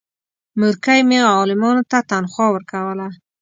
مورکۍ مې عالمانو ته تنخوا ورکوله.